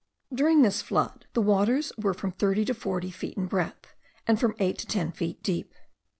During this flood the waters were from thirty to forty feet in breadth, and from eight to ten feet deep.